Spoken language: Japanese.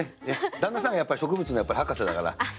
旦那さんが植物の博士だから。